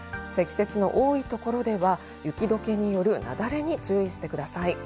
積雪の多いところでは、雪解けによるなだれに注意してください。